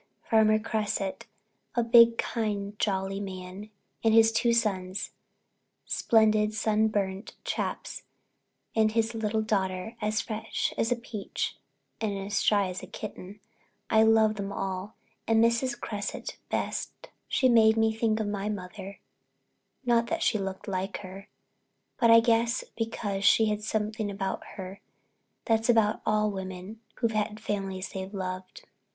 Farmer Cresset, a big, kind, jolly man and his two sons, splendid, sun burned chaps, and his little daughter, as fresh as a peach and as shy as a kitten. I loved them all, and Mrs. Cresset best. She made me think of my mother, not that she looked like her, but I guess because she had something about her that's about all women who've had families they loved.